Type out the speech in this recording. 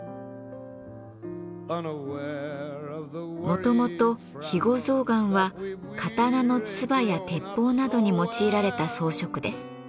もともと肥後象がんは刀の鐔や鉄砲などに用いられた装飾です。